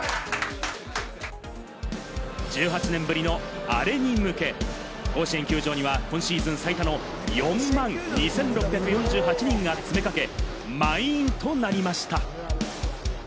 １８年ぶりのアレに向け、甲子園球場には今シーズン最多の４万２６４８人が詰めかけ、満員となりました。